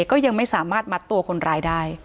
ก็ยังไม่สามารถมัดตัวคนร้ายได้